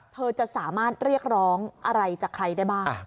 เธอจะสามารถเรียกร้องอะไรจากใครได้บ้าง